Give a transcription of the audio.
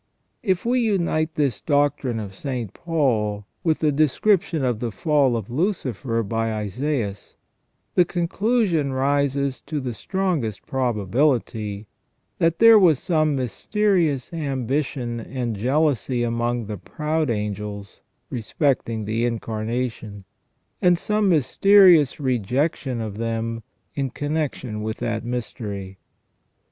If we unite this doctrine of St. Paul with the description of the fall of Lucifer by Isaias, the conclusion rises to the strongest probability that there was some mysterious ambition and jealousy among the proud angels respecting the Incarnation, and some mysterious rejection of them in connection with that mystery.